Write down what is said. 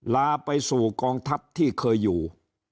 ลาไปสู่กองทัพที่เคยอยู่